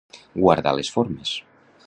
Guardar les formes.